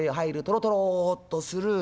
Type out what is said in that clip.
とろとろっとする。